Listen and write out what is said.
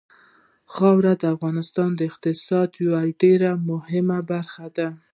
خاوره د افغانستان د اقتصاد یوه ډېره مهمه برخه ده.